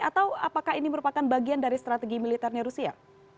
atau apakah ini merupakan bagian dari strategi militernya rusia